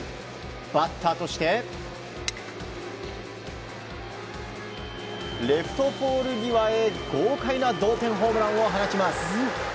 バッターとしてレフトポール際へ豪快な同点ホームランを放ちます。